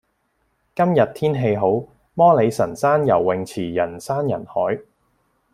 今日天氣好，摩理臣山游泳池人山人海。